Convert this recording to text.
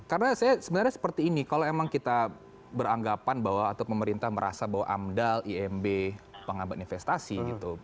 karena saya sebenarnya seperti ini kalau memang kita beranggapan bahwa atau pemerintah merasa bahwa amdal imb pengambat investasi gitu